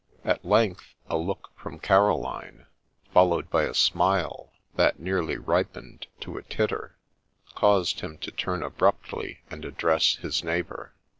At length a look from Caroline, followed by a smile that nearly ripened to a titter, caused him to turn abruptly and address his neighbour.